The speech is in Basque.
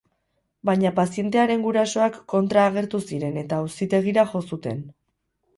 Baina pazientearen gurasoak kontra agertu ziren eta auzitegira jo zuten.